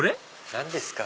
何ですか？